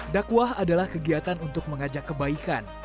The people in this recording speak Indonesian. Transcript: dakwah adalah kegiatan untuk mengajak kebaikan